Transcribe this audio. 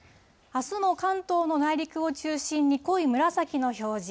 あすも関東の内陸を中心に濃い紫の表示。